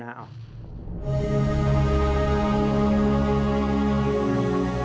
ไม่มีอะไร